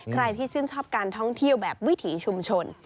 ใครที่ชื่นชอบการท่องเที่ยวแบบวิถีชุมชน